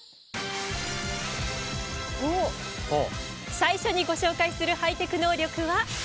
最初にご紹介するハイテク能力は。